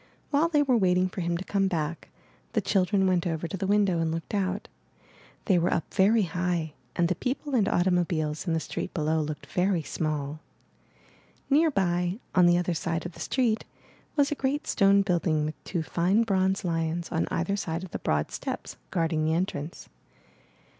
"While they were waiting for him to come back, the children went over to the window and looked out. They were up very high and the people and automobiles in the street below looked very small. Near by, on the other side of the street, was a great stone building with two fine bronze lions on either side of the broad steps, guard ing the entrance.